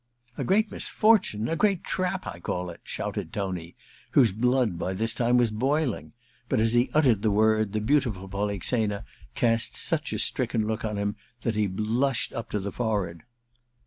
* A great misfortune ! A great trap, I call it !* shouted Tony, whose blood, by this time, was boiling ; but as he uttered the word the beautiful Polixena cast such a stricken look on him that he blushed up to the forehead.